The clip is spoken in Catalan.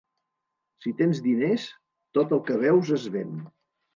Si tens diners, tot el que veus es ven.